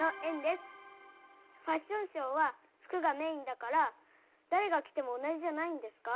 ファッションショーは服がメインだからだれが着ても同じじゃないんですか？